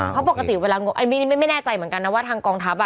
เพราะปกติเวลางบอันนี้ไม่แน่ใจเหมือนกันนะว่าทางกองทัพ